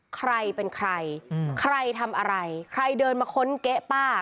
ใครเป็นใครใครทำอะไรใครเดินมาค้นเก๊ะป้า